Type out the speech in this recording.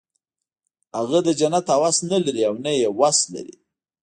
هغه د جنت هوس نه لري او نه یې وس لري